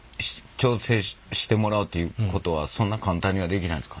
調整してもらうっていうことはそんな簡単にはできないんですか？